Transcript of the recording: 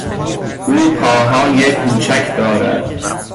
او پاهای کوچک دارد.